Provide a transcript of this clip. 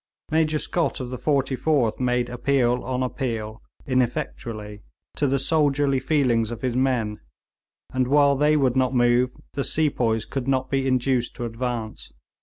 Major Scott of the 44th made appeal on appeal, ineffectually, to the soldierly feelings of his men, and while they would not move the sepoys could not be induced to advance.